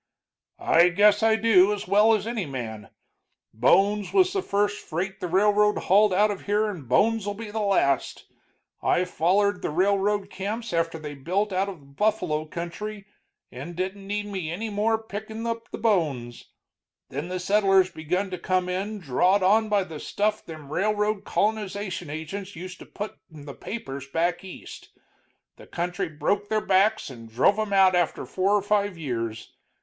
"I guess I do, as well as any man. Bones was the first freight the railroad hauled out of here, and bones'll be the last. I follered the railroad camps after they built out of the buffalo country and didn't need me any more, pickin' up the bones. Then the settlers begun to come in, drawed on by the stuff them railroad colonization agents used to put in the papers back East. The country broke their backs and drove 'em out after four or five years.